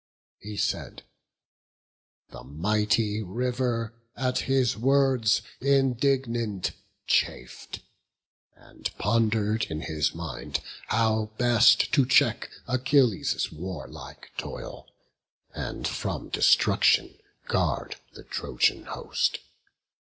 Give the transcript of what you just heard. He said: the mighty River at his words Indignant chaf'd, and ponder'd in his mind How best to check Achilles' warlike toil, And from destruction guard the Trojan host.